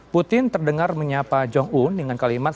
putin terdengar menyapa jong un dengan kalimat